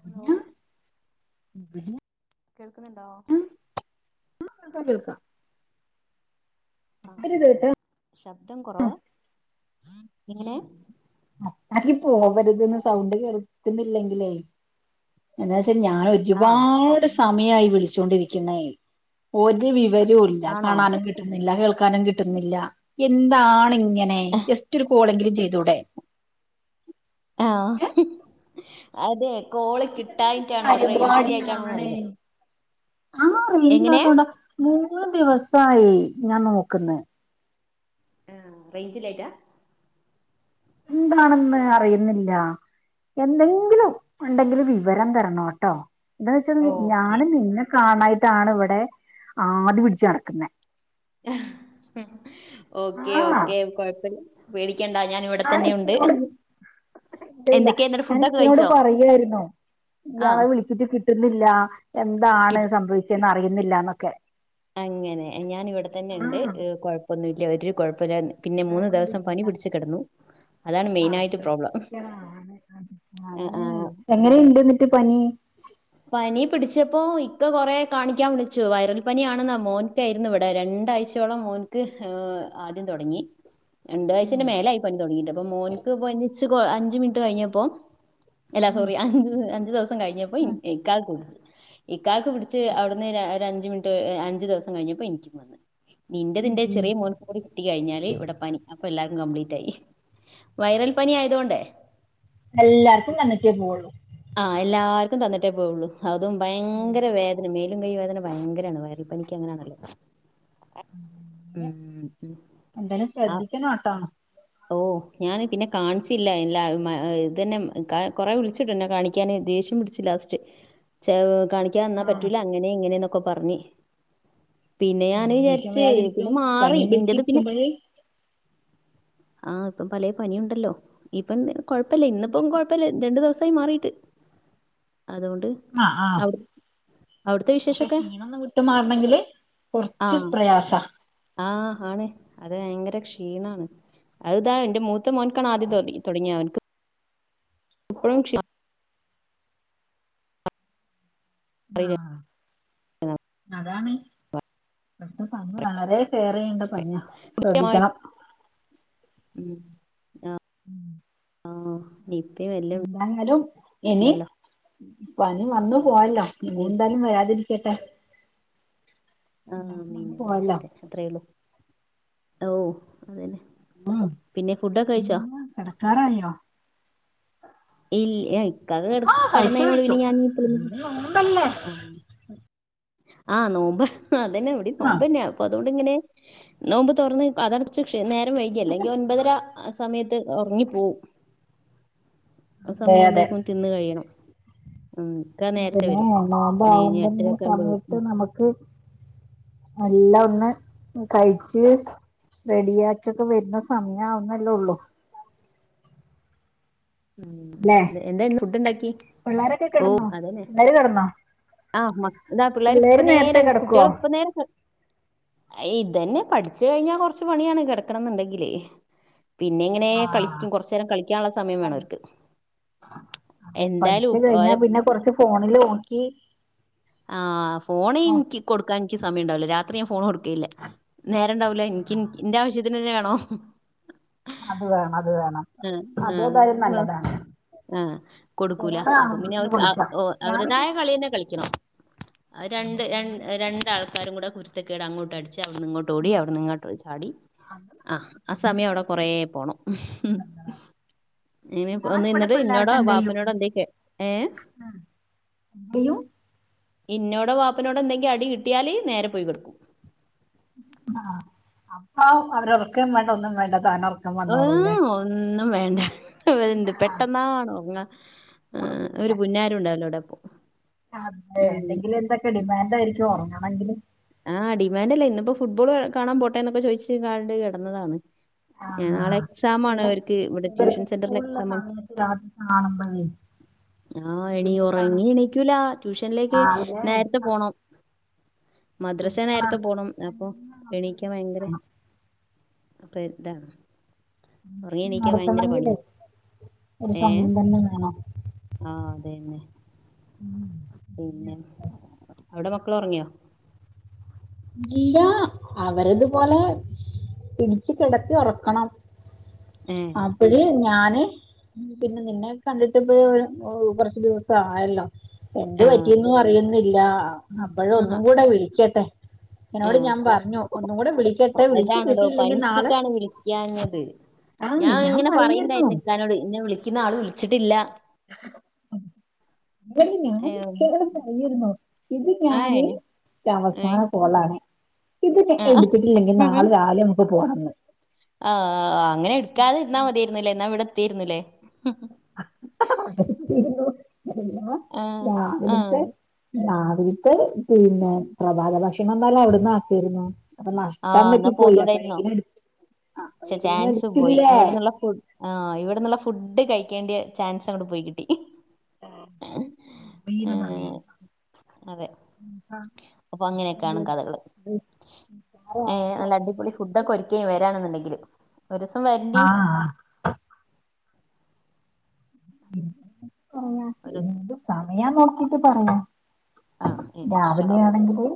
Hello പിന്ന കേൾക്കുന്നുണ്ടോ ൾക്കാംകേൾക്കാം ആഹ ആഹ ആ ശബ്ദം കുറവ ബാക്കി [inaudible] ഓ വരുന്നസൗണ്ട് കേർക്കുന്നില്ലെങ്കിലേ എന്ന പക്ഷെ ഞാൻ ആഹ് ഒരുപാട് സമയായി വിളിച്ചൊണ്ടിരിക്കുന്ന ഒരു വിവ ആണോ രോലകാണാനും കിട്ടുന്നില്ല കേൾക്കാനും കിട്ടുന്നില്ല എന്താണ് ഇങ്ങനെ ഫോണെങ്കിലും ചെയ്തൂടെ ആഹ അതെ കോള് കിട്ടായിട്ടാണോ ഇവിടെ ഞ്ചിലയിട്ടാണോന്ന് അറിയില്ല ആ എങ്ങനെ റേഞ്ചില്ലത്തോണ്ട ആമൂന്ന് ദിവസായി ഞാൻ നോക്കുന്ന ആ റേഞ്ചിലായിട്ടാ എന്താണെന്ന് അറിയുന്നില്ല ആഹ് എന്തെങ്കിലും ഉണ്ടെങ്കിലും വിവരം തരണോട്ടോ എന്താന്ന് വെച്ചാ ഓക്കെ ഞാന് നിന്നെ കാണായിട്ടാണ് ഇവിടെ ആടി പിടിച്ച് നടക്കുന്നെ ഓക്കെ ആ ഓക്കെ കുഴപ്പില്ല ഞൻ ഇവിടെ തന്നെ ഉണ്ട് ഇല്ല ഇല്ല എന്തൊക്കെയാ എന്നിട്ട് ഞൻ ഫുഡൊക്കെ ഇിക്കനോട് കഴിച്ചോ പറയായിുന്നോ ആഹ് ഇയാളുവിളിച്ചിട്ട് കിട്ടുന്നില്ല എന്താണ് കിട് സംഭവിച്ചന്ന് അറിയുന്നില്ലാന്നൊക്കെ അങ്ങനെ ഞാൻ ഇവിടെ തന്നെ ഉണ്ട് ആഹ് കൊഴപ്പൊന്നുംല്ല ഒരു കുഴപ്പമില്ല പിന്നെ മൂന്ന്ദിവസം പനി പിടിച്ച കിടന്നു അതാണ് മെയിനായിട്ട് പ്രോബ്ലം ആഹ് ആഹ് എങ്ങനെുണ്ട് എന്നിട്ട് പനി പനി പിടിച്ചപ്പോ ഇക്ക കൊറെ കാണിക്കാൻ വിളിച്ചു വൈറൽ പനിയാണെന്ന മോനക്ക ആയിരുന്നു ഇവിടെ രണ്ടാഴ്ചയോളം മോന്ക്ക് ഏ ആദ്യം തുടങ്ങി ഉം രണ്ടാഴ്ചന്റെ മേലയി പനി തുടങ്ങിയിട്ട് അപ്പൊ മോന്ക്ക് പോ അഞ്ചു മിനിറ്റ് കഴിഞ്ഞപ്പോ അല്ലാ ഉം സോറി അഞ് അഞ്ചു ദിവസം കഴിഞ്ഞപ്പോ ഉം ഇക്കാക്കു ഇക്കക്ക് പിടിച്ച് അവിടുന്ന് ഒരു അഞ്ച മിനിറ്റ് അഞ്ചു ദിവസം കഴിഞ്ഞപ്പോ എനിക്കും വന്ന് ഉം നിന്റെതിന്റെ ഉം ചെറിയ മോൻ പോടി കിട്ടി കഴിഞ്ഞാല് ഇവിടെ പനി അൊ എല്ലാവും പ്ലീറ്റ് ആയി വൈറൽ പനി ആയതോണ്ടേ എല്ലാർക്കും വന്നിട്ടേ പോവുള്ളൂ ആഹ് എല്ലാർക്കും തന്നിട്ടേ പോുള്ളൂ അതും ഉം ഭയങ്കര വേദന കൈ വേദന ഭയങ്കരാണ് വയൽ പനിക്ക് അങ്ങനാണല്ലോ ഉം ഉ ഉ എന്തായാലും ആ ശ്രദ്ധിക്കണോട്ടോ ഓ ഞാന് പിന്നെ കാണിച്ചില്ല ഇല്ല ഇത്തന്നെ കൊറെ വിളിച്ചിട്ടു എന്നെ കാണിക്കാന് ദേഷ്യം വിളിച്ചില്ല കാണിക്കാൻ വന്നാ ആഹ് പറ്റൂല അങ്ങനെ ഇങ്ങനെന്നൊക്കെ പറഞ്ഞഞ് പിന്നെ ഞാന് അങ്ങനെ ദേഷ്യം വിചാരിച്ച വരാതിരിക്കും പിന്നെ പനിയും നിന്റത് പിന്നെ പിടിച്ചിരിക്കുമ്പഴേ ആഹ് ഇപ്പം പല പനിയുണ്ടല്ലോ ഇപ്പം കൊഴപ്പില്ല ഇന്നിപ്പ കൊഴപ്പില്ല രണ്ടു ദിവസം മാറിട്ട് അതുകൊണ്ട് ആഹ് ആഹ് അവിടെ പക്ഷെ ക്ഷീണോന്ന് വിട്ട്മാറണെങ്കില് ആ കൊറച്ച് പ്രയാസ ആ ആണ് അത് ഭയങ്കര ക്ഷീണാണ് അത് താ എന്റെ മൂ ത്തമോന്ക്കാണാദ്യം തോട തൊടങ്ങിയ അവനക്ക് ഇപ്പഴും ക്ഷീ ആ മാറിയില്ല അതാണ് ഇപ്പത്തെ സമയം വളരെ കേറേയേണ്ട സമയാ ശ്രദ്ധിക്കണം ഉം ഉം ആ എന്തായാലും ഇനി ഉണ്ടല്ലോ പനി വന്ന പോയല്ലോ ഇനി ഉം എന്തായാലും വരാതിരിക്കട്ടെ എല്ലാവർക്കും ആമീൻ വന്നു പോവല്ലോ [unintelligible] അത്രേള്ളൂ ഓ അതന്നെ പിന്നെ ഫുഡൊക്കെ കഴിച്ചോ ക്കാറായൊ ഇ ഇക്കാക്ക കേടക്ക് കേട്ന്നെനോട് കഴിച്ചു പിന്നെ ഞാൻ ഇപ്പളോന്ന് ഇന്ന് നോമ്പല്ലേ ആ ആഹ് നോമ്പ് അതന്നെ ഇവടിം ആ നോമ്പന്നെ അപ്പൊതൊണ്ട് ങ്ങ്നെ നോമ്പ് തൊറന്ന് അതോണ്ട് നേരം വൈകി അല്ലെങ്കി ഒൻപതര ആ സമയ [unintelligible] ഒറങ്ങി പോവും ആ അതെ അതെ സമയാവ്മ്പേക്കും തിന്ന് കഴിയണം ഉം ഇക്ക നേരത്തെ അതെന്നെ വരും പണി കഴിഞ്ഞ് നോമ്പാവുമ്പോന്ന് എട്ടരൊക്കെ ആകുമ്പോ വരും സമയത്ത് നമ്മക്ക് എല്ലോന്ന് കഴിച്ച് റെഡിയാക്കിക്കെ വരുന്ന സമയ ആവുന്നല്ലേള്ളു അല്ലേ ഉം എന്താന്ന് ഫുഡ്ണ്ടാക്കിയേ പിള്ളേരൊക്കെ ഓ കിടന്നോ അതന്നെ പിള്ളേര് കിടന്നോ ആ മ പിള്ളേർ ഇപ്പ പിള്ളേര് നേരേ നേരത്തെ കിടക്കുവോ കുട്ട്യാള് ഇപ്പ നേരേ ക ഈ ഇതന്നെ പഠിച്ച് കഴിഞ്ഞാ കൊറച്ച് പണിയാണ് കേടക്കണന്ന്ണ്ടെങ്കില് പിന്നെ ഇങ്ങനെ ആ കളിക്കും കൊറച്ചേരം കളിക്കാന്ള്ള സമയം വേണം പഠി അവർക്ക് അതെ എന്തായാലും പഠിച്ച് ഉ- കഴിഞ്ഞാ ഓരെ പിന്നെ കൊറച്ച് ഫോണിൽനോക്കി ആ ഫോണ് ഇന്കി കൊട്ക്കാൻന്ക്ക് സമയണ്ടാവൂല്ല രാത്രി ഞാൻ ഫോൺ കൊട് ക്കില്ലാ. നേരണ്ടാവൂല ഇനിക്ക് എന്റെ ആവശ്യത്തിന് തന്നെ വേണോ അത് വേണം അത് വേണം അതെതായാലും നല്ലതാണ് ആ കൊടുക്കൂല ഫോണ് അപ്പൊ പിന്നെ ആവശ്യത്തിന് അവർക്ക് അ കൊടുക്കാം ഒ ഞാനൊക്കെ അവരേതായ കളിയേന്നെ കളിക്കണം അതെ, രണ്ട് ര ഞാനൊക്കെ രണ്ടൾക്കാരും കൂടെ കുര്ത്തേക്കെടങ്ങോട്ട് അടിച്ച് അവിടുന്ന് ഇങ്ങോട്ട് ഓടി അവിടുന്ന് ഇങ്ങോട്ട് ചാടി അത് ആഹ് ആ സമയം അവിടെ കൊറ പോണം ഇങ്ങെനെ വന്ന് ഞാനിവിടെ നിന്നിട്ട് പിള്ളേർക്ക് ഇന്നോടോ എന്ത് ചെയ്യും ബാപ്പനോടോ എന്തേ കേ ഏ [unintelligible] ഇന്നോടോ വാപ്പനോടോ എന്തെങ്കി അടി കിട്ടിയാല് നേരെ പോയ് കിടക്കും ആ ആ അപ്പൊ അവര് [unintelligible] ഒന്നും വേണ്ട താനുറക്കം ആ വന്നോളൂ അല്ലേ ഒന്നും വേണ്ട വേ എന്ത് ആ, പെട്ടന്നാണ് ഒറങ്ങാ ആ് ഉറങ്ങണ്ട. ഒരു പുന്നാരം ഉണ്ടാവലോടെ അതെ അല്ലെങ്കിൽ എന്തെക്കേ ഡിമാൻന്റായിരിക്കും ഓങ്ങണെങ്കില് ആഹ് ഡിമാൻന്റല്ലേ ഇന്ന്പ്പോ ഫുട്ബോൾ കാണാൻ പോട്ടെന്നൊക്കെ ചോയിച്ച്ക്കാണ്ട് കേടന്നതാന്ന് ആ, നാളെ പിന്നെ എക്സാമാണവർക്ക് ഇവടെ ഇവർക്ക് ട്യൂഷൻ സെന്ററിലെ സ്കൂളിലെ എക്സാമാണ് സമയത്ത് രാത്രി കാണുമ്പോഴേ ആഹ് ഇനി ബുദ്ധിമുട്ടാണ് ഒറങ്ങി എണീക്കൂല ട്യൂഷനിലേക്ക് രാവിലെ നേരത്തെ അവർ പോണം മദ്രസ നൃത്തം നേരത്തെ നടത്തണമെങ്കിൽ പോണം അപ്പൊ തന്നെ നമുക്കൊരു എണീക്കാൻ ഭയങ്കര സമയം വേണം അപ്പൊ ഇതാണ് ഒറങ്ങി എണീക്കാൻ ഭയങ്കര പണ്യ നടത്തണമെങ്കിലേ ഒരു ഏ സമയം തന്നെ വേണം ആ അതെന്നെ പിന്നെ അവിടെ മക്കൾ ഒറങ്ങിയോ ഇല്ലാ അവര്ത്പോലെ പിടിച്ച് കേടത്തി ഒറക്കണം ഏ അപ്പഴ് ഞാന് പിന്നെ നിന്നെ കണ്ടിട്ട്പ്പോ കൊറച്ച് ദിവസ ആയല്ലോ എന്ത് ആഹ് പറ്റിന്നും അറിയുന്നില്ല അപ്പോഴ ഒന്നും കൂടെ വിളിക്കട്ടെ എന്നോട് ആഹ ഞാൻ പറഞ്ഞു ഒന്നും കൂടെ വിളിക്കട്ടെ വിളിച്ച് അതാണടോ കിട്ടിയില്ലെങ്കിൽ നാളെ പനിച്ചിട്ടാണ് വിളിക്കത് ആ ഞാൻ ഇങ്ങനെ പറയായിരുന്നു പറയണ്ടായിരുന്നു ഇിക്കാനോട് ഇന്നെ വിളിക്കുന്ന ആള് വിളിച്ചിട്ടില്ല [unintelligible] അത് ഞാൻ ഏഹ് കോയിരുന്നു ഇത് ഏഹ് ഞാന് ര അവസാന ഏഹ് പോളാണ് ഇത് ആഹ് എടുത്തിട്ടില്ലെങ്കിൽ നാളെ രാവിലെ നമുക്ക് പോണംന്ന് ആഹ അങ്ങനെ എടുക്കാതെ ഇന്നാ മതിരുന്നില്ലേ എന്നാ ഇവിടെത്തിരുന്നില്ലേ അ ആഹ് രാവിലത്തെ ആഹ് അവക്ക് പിന്നെ പ്രഭാത ഭക്ഷണം വന്നാല അവിടന്ന് ആക്കിരുന്നു അപ്പൊ ആഹ് എന്നാ നഷ്ടമ്പക്കി പോയി പോന്നൂടായിരുന്നോ അപ്പോഴെങ്ങനെ എ ചാൻസ് പോയി ഇവിടെന്നുള്ള ഫുഡ് ആ് ഫുഡ് കഴിക്കേണ്ട ചാൻസ് അങ്ങടെ പോയി കിട്ടി വന ഏഹ് പറ അതെ അപ്പൊ അങ്ങനെയൊക്കെയാണ് [unintelligible] കഥകള് അറ ഏഹ് ആക്ക [unintelligible] ഒരു ദിവസം വരണ്ടി ആ പറയാ ഒരുസം എന്ത് സമയാം നോക്കിട്ട് പറയാം ആഹ് ഇൻഷാ രാവിലെ അള്ളാ ആണെങ്കില്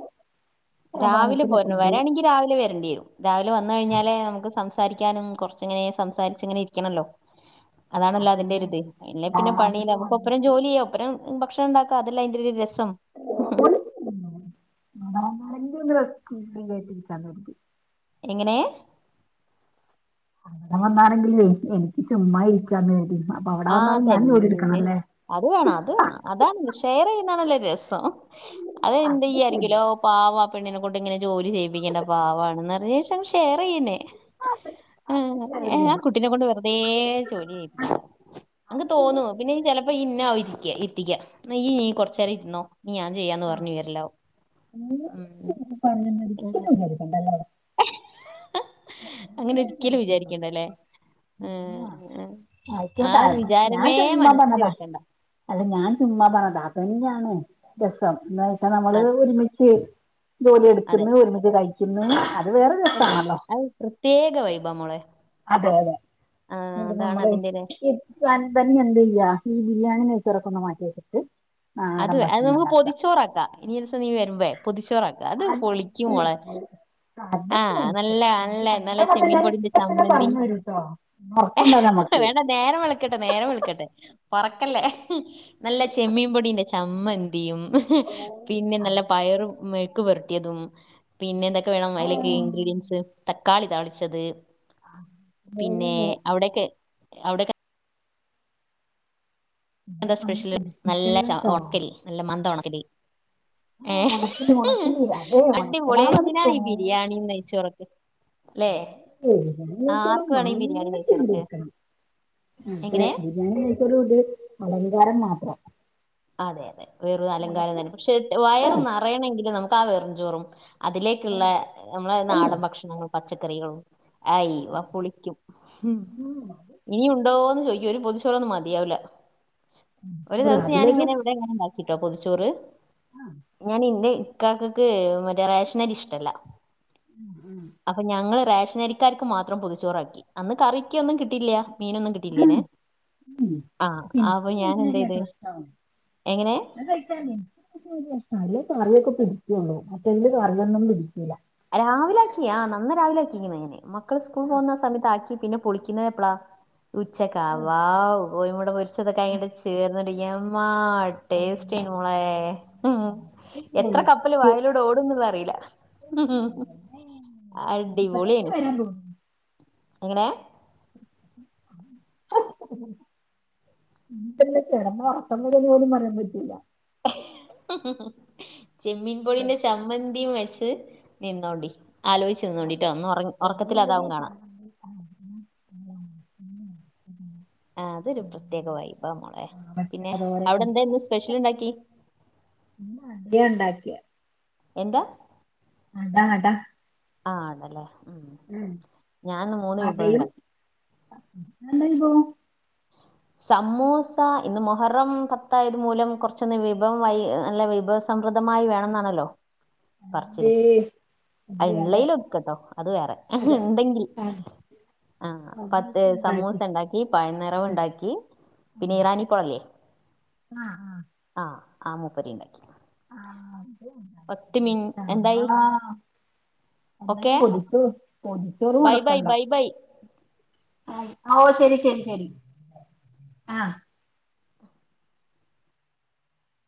രാവിലെ പോര വരാണെങ്കിൽ രാവിലെ വരേണ്ടി വരും രാവിലെ വന്ന കഴിഞ്ഞാല് നമുക്ക് സം സംസാരിക്കാനും കുറച്ചങ്ങനെ സംസാരിച്ച ഇങ്ങനെ ഇരിക്കണല്ലോ അതണല്ലോ അതിന്റെറ അതുപോലെ ഒരിത് അെ പിന്നെ പണിയില്ല രാവിലെ നമുക്ക് അഞ്ച് ഒപ്പരം ജോലി ചെയ്യാം ഒപ്പരം ഭക്ഷണം ഉണ്ടാക്ക അതെല്ലാം അതിന്റെ രസം ട്ടച്ചി [unintelligible] എങ്ങനെ അങ്ങനെ വന്നാണെങ്കിൽ എനിക്ക് ചുമ്മാ ഇരിക്കാന്നന്ന് വര ആഹതന്നെ അത് വേണം അത് വേണം അതാണ് ഷെയർ ചെയ രസം അത് എന്ത ചെയ്യായിരിക്കോ പാവ പെണ് ോട്ട ഇങ്ങെ ജോലി ചെയ്യിപ്പിക്കണ്ട പാവാണ് നി പറ ശേഷം ഷെയർ ചെയ്യുന്നേ ആ അത് ഏ ആ ശരിയാണ് കുട്ടിനെ കൊണ്ട് വെറുതെ ചോലിയായി എക്ക് തോന്നു പിന്നെ ചിലപ്പോ ഇന്ന ആ ഇരിക്ക എത്തിക്ക ീ നീ കൊറച്ച നേരം ഇരുന്നോ ഞാൻ ചെയ്യാന്ന് പറഞ്ഞഞ് വരില്ലോ അ പറഞ്ഞുന്ന ഉം. ഒരിക്കലും വിചരിക്കണ്ടല്ലോ അവിടെ അങ്ങനെ ഒരിക്കലും വിചാരിക്കണ്ട വിചാരിക്കണ്ടല്ലോ. അല്ലേ ആ ആയിക്കോട്ട ഒരു ഞാൻ വിചാരമേ ചുമ്മാ മനസ്സിൽ പറഞ്ഞതാ വെക്കണ്ട അല്ല ഞാൻ ചുമ്മാ പറതാപ്പ ആഹ് രസം എന്താ വെച്ചാ നമ്മള് അത് ഒരുമിച്ച് ജോലി അതെ എടുക്കുന്ന് ഒരുമിച്ച് കയി [inaudible] അത് വേറൊരു രസാണല്ലോ പ്രേത്യേക വൈബ് ആ മോളെ അതെ അതെ ആ, [unintelligible] അതാണ് നമ്മള് അതിന്റെ ഒരു- [unintelligible] തന്നെ എന്ത് ചെയ്യ ഈ ബിരിയാണി നെച്ചിറക്കുന്ന മാറ്റിവെച്ചിട്ട് അത് അത് നമുക്ക് പൊതിച്ചോറാക്കാം ഇനി ഒരൂസം നീ വരുമ്പേ പൊതിച്ചോർ ആക്കാം അത് പൊളിക്കും മോളെ അത് ആഹ് പൊളിച്ചു നല്ല നല്ല നല്ല ഞങ്ങളെ കഥ ചെമ്മീൻ ഞാൻ പൊടീന്റെ ഇപ്പൊ തന്നെ ചമ്മന്തി പറഞ്ഞു തരൂട്ടോ ഉറക്കുണ്ടോ നമുക്ക് വേണ്ട നേരം വെളുക്കട്ടെ നേരം വെളുക്കട്ടെ പറക്കല്ലേ നല്ല ചെമ്മീൻ പൊടീന്റെ ചമ്മന്തി യും ഓ പിന്നെ നല്ല പയറു മെഴുക്കുപിരട്ടിയതും പിന്നെ എന്തൊക്കെ വേണം ഇല [inaudible] തക്കാളി താളിച്ചത് പിന്നെ അവിടൊക്കെ അവിടൊക്കെ എന്താ സ്പെഷ്യൽ നല്ല പൊളിച്ചിട്ടുണ്ടോ ഓണക്കൽ നല്ല മന്ത ഒണക്കൽ [unintelligible] ആഹ് ഒണക്കില്ലി ഒണക്കില്ലി അതെ അടിപൊളി ഒണക്കലാണെന്റെ എന്തിനാണ് ഈ ഫേവ് ബിരിയാണിയും [unintelligible] നെയ്ച്ചോറൊക്കെ ല്ലെ ആർക്ക് വേണം ഈ ബിരിയാണി നെയ്ച്ചോറൊക്കെ അതെ എങ്ങനെ ബിരിയാണി കഴിച്ച [unintelligible] അലങ്കാരം മാത്രം അതെ അതെ വേറൊരു അലങ്കാരം നമുക്ക് തന്നെ പക്ഷെ ആ, വയറ് നിറയണെങ്കിൽ നമുക്ക് ആ വെറും ചോറും അതിലേക്കുള്ള നമ്മളെ ഉം, നാടൻ ഭക്ഷണങ്ങളും പച്ചക്കറികളും അയ് വാ പൊളിക്കും ഉം. ഇനി ഉണ്ടോന്ന് ചോദികും ഒരു പൊതിച്ചോർ ഒന്നും മതിയാവില്ല [inaudible] ഞാനിങ്ങനെ ഇവിടെ ഇങ്ങനെ ഉണ്ടാക്കിട്ടോ പൊതിച്ചോറ് ഞാനിന്ന് ഇക്കാകക് മറ്റേ റേഷനരി ഇഷ്ടല്ല ഉം, അപ്പൊ ഞങ്ങള് റേഷനരിക്കാർക്ക് മാത്രം പൊതിച്ചോറാക്കി അന്ന് കറിക് ഒന്നും കിട്ടില്ല മീനൊന്നും ഉം, കിട്ടില്ലേനെ ഉം. ആ എനിക്ക് ആവോ ഞാൻ ബിരിയാണി എന്ത് ചെയ്തേ [unintelligible] [unintelligible] രാവിലെ ആക്കി ആ നമ്മള് രാവിലെ ആക്കിക്കിന് എങ്ങനെ മക്കൾ സ്കൂൾ പോകുന്ന സമയത്ത് ആക്കി പിന്നെ പൊളിക്കുന്നത് എപ്പളാ ഉച്ചക്ക വാ ഓയിമ്മൂടെ പൊരിച്ചതൊക്കെ ആയിട്ട് ചേർന്നിട്ട് യമ്മ ടേസ്റ്റ് മോളെ എത്ര കപ്പല് വായിലൂടെ ഓടും എന്നുള്ള അറിയില്ല [inaudible] അടിപൊളിയേനു [unintelligible] എങ്ങനെ [inaudible] [unintelligible] കിടന്ന ഒറക്കം വരുവോന്നു പോലും പറയാൻ പറ്റില്ല ചെമ്മീൻ പൊടിന്റെ ചമ്മന്തി വെച്ച് [unintelligible] നിന്നോണ്ടിട്ടോ അതെ ഒന്ന് ഉറ ഉറക്കത്തിൽ ചെമ്മീൻ പൊടി അതാവും കാണാം [unintelligible] ആ അതൊരു പ്രത്യേക വൈബാ മോളെ പിന്നെ അവിടെ അവക്കാതോരക്കം എന്തായിന്ന് സ്പെഷ്യൽ ഉണ്ടാക്കി അടയാ ഉണ്ടാക്കിയെ എന്താ അട അട ആ ആണല്ലേ ഉം ഞാനിന്ന് മൂന്ന് വിഭവം അടയും ഉണ്ടാക്കി [unintelligible] സമൂസ ഇന്ന് മൊഹറം പത്തായത് മൂലം കുറച്ചൊന്ന് വിഭവം അല്ല നല്ല വിഭവ സമൃ സമൃദ്ധമായി വേണോന്നാണല്ലോ പറച്ചിൽ അതെ അതെ അതെ ഓളേൽവെക്കോട്ടോ അത് വേറെ അതെ ഉണ്ടെങ്കിൽ അത് ആ അ പത്ത് സമൂസ ഉണ്ടാക്കി പഴം നിറവ് ഉണ്ടാക്കി ഉം. പിന്നെ ഇറാനിപോളേ ഇല്ലേ ആഹ് അ ആ മുപ്പരെ ഉണ്ടാക്കി പത്ത് മിൻ എന്തായി [unintelligible] എന്നാലും ഓക്കെ പൊതിചോ പൊതിച്ചോറ് ബൈ ബൈ മുടക്കണ്ട ബൈ ബൈ ഓ ശരി ശരി ശരി ആ